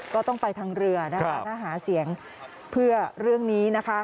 ก็ต้องไปทางเรือนะคะถ้าหาเสียงเพื่อเรื่องนี้นะคะ